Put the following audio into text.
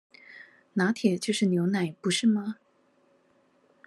「拿鐵」就是牛奶不是嗎？